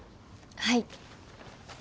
はい。